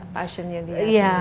passionnya dia iya